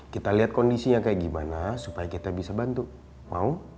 kita lihat kondisinya kayak gimana supaya kita bisa bantu mau